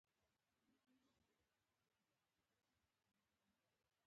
ابن جریر په ابن کثیر کې لیکلي چې کله انجیل نازل شو.